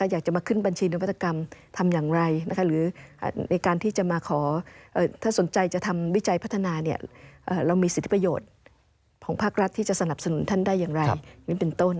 อยากจะมาขึ้นบัญชีนวัตกรรมทำอย่างไรหรือในการที่จะมาขอถ้าสนใจจะทำวิจัยพัฒนาเรามีสิทธิประโยชน์ของภาครัฐที่จะสนับสนุนท่านได้อย่างไรนี่เป็นต้น